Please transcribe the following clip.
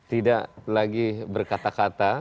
tidak lagi berkata kata